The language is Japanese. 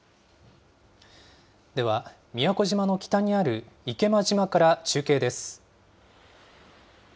では、宮古島の北にある池間島から中継です。